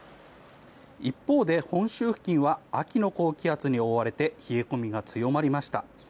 一方で、本州付近は秋の高気圧に覆われて冷え込みが強まりました。